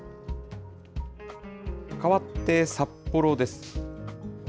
かわって札幌です。